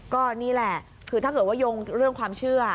ก็นี่แหละคือถ้าเกิดว่ายงเรื่องความเชื่อ